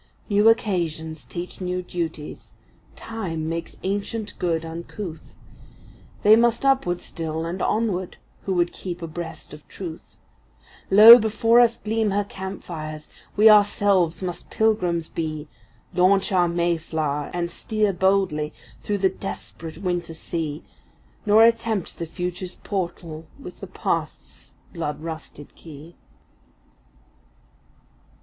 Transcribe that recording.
New occasions teach new duties; Time makes ancient good uncouth; They must upward still, and onward, who would keep abreast of Truth; Lo, before us gleam her camp fires! we ourselves must Pilgrims be, Launch our Mayflower, and steer boldly through the desperate winter sea, Nor attempt the Future’s portal with the Past’s blood rusted key.